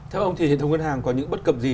theo ông thì hệ thống ngân hàng có những bất cập gì